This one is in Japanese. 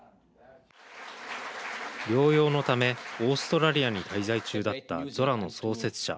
療養のためオーストラリアに滞在中だったゾラの創設者